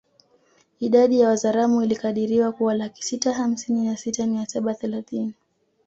Idadi ya Wazaramo ilikadiriwa kuwa laki sita hamsini na sita mia saba thelathini